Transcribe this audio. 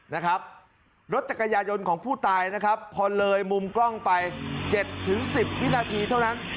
นะครับรถจักรยายนของผู้ตายนะครับพอเลยมุมกล้องไป๗๑๐วินาทีเท่านั้น